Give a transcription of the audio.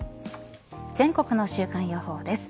全国の週間予報です。